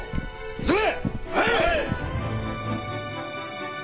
はい！